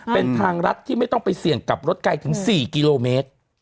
เป็นทางรัฐที่ไม่ต้องไปเสี่ยงกับรถไกลถึง๔กิโลเมตร